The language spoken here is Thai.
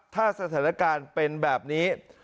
ถ้าสถานการณ์เป็นแบบนี้